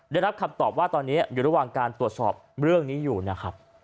ได้รับคำตอบว่าตอนนี้อยู่ระหว่างการตรวจสอบเรื่องนี้อยู่นะครับ